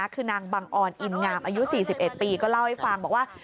คือนางบังออนอินงามอายุ๔๑ปีก็เล่าให้ฟังบอกว่า